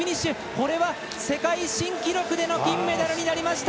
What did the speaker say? これは世界新記録での金メダルになりました！